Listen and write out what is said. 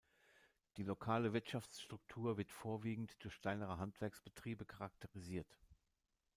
Die lokale Wirtschaftsstruktur wird vorwiegend durch kleinere Handwerksbetriebe charakterisiert.